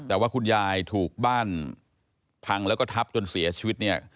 แต่ว่าคุณยายถูกบ้านพังแล้วก็ทับจนเสียชีวิตเนี่ย